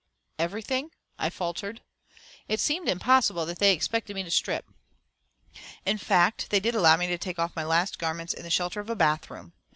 "Everything?" I faltered. It seemed impossible that they expected me to strip. In fact, they did allow me to take off my last garments in the shelter of a bath room.